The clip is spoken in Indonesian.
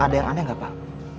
ada yang aneh nggak pak